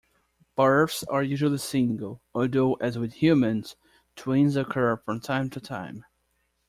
Births are usually single, although, as with humans, twins occur from time to time.